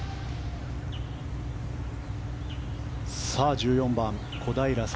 １４番、小平智